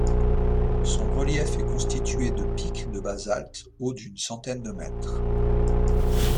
Son relief est constitué de pics de basalte hauts d'une centaine de mètres.